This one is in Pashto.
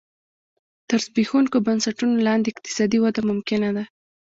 تر زبېښونکو بنسټونو لاندې اقتصادي وده ممکنه ده